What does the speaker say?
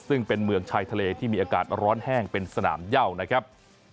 ซึ่งเป็นเมืองชายทะเลที่มีอากาศร้อนแห้งเป็นสนามเย่านะครับ